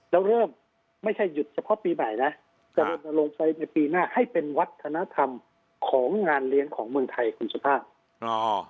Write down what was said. แล้วเริ่มไม่ใช่หยุดเฉพาะปีใหม่นะจะลนลงไปในปีหน้าให้เป็นวัฒนธรรมของงานเลี้ยงของเมืองไทยคุณสุภาพ